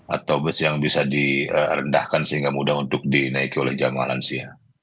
atau bus yang bisa direndahkan sehingga mudah untuk dinaiki oleh jamaah lansia